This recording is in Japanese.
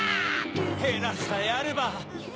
ヘラさえあれば。